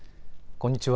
こんにちは。